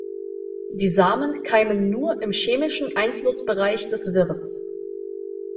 Die Samen keimen nur im chemischen Einflussbereich des Wirts.